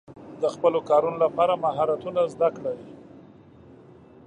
د خپلو کارونو لپاره مهارتونه زده کړئ.